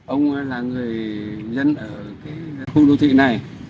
ông là người dân ở khu đô thị này